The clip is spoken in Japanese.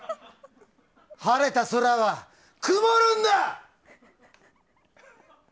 晴れた空が曇るんだ！